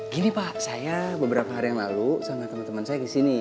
gini pak saya beberapa hari yang lalu sama teman teman saya di sini